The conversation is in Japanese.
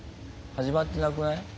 始まってなくない？